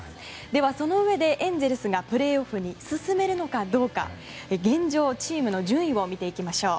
そのうえで、エンゼルスがプレーオフに進めるのかどうか現状、チームの順位を見ていきましょう。